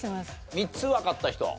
３つわかった人。